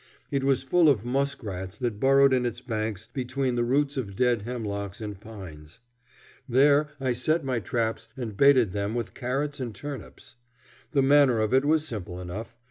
It was full of musk rats that burrowed in its banks between the roots of dead hemlocks and pines. There I set my traps and baited them with carrots and turnips. The manner of it was simple enough.